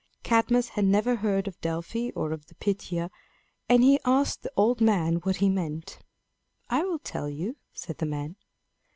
Cadmus had never heard of Delphi or of the Pythia, and he asked the old man what he meant. "I will tell you," said the man.